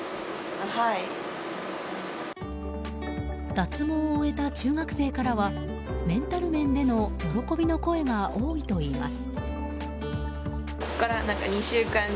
脱毛を終えた中学生からはメンタル面での喜びの声が多いといいます。